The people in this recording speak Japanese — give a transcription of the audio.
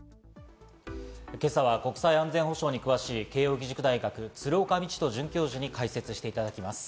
今朝は国際安全保障に詳しい慶應義塾大学・鶴岡路人准教授に解説していただきます。